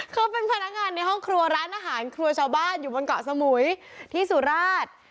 เขาเป็นพนักงานในห้องครัวร้านอาหารครัวชาวบ้านอยู่บนเกาะสมุยที่สุราช